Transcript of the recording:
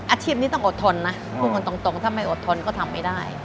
อาชีพนี้ต้องอดทนนะพูดกันตรงถ้าไม่อดทนก็ทำไม่ได้